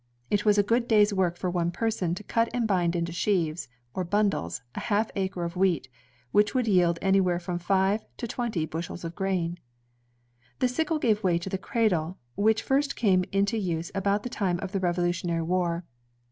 It was a good day's work for one person to cut and bind into sheaves or bundles a half acre of wheat, which would yield anywhere from five to twenty bushels of grain. The sickle gave way to the cradle, which first came into use about the time of the Revolutionary War.